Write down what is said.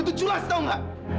lu tuh curlas tau nggak